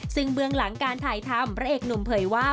ซึ่งเบื้องหลังการถ่ายทำพระเอกหนุ่มเผยว่า